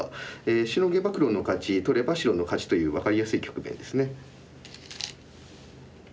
シノげば黒の勝ち取れば白の勝ちという分かりやすい局面ですね。